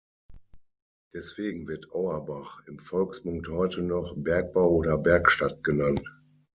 Deswegen wird Auerbach im Volksmund heute noch Bergbau- oder Bergstadt genannt.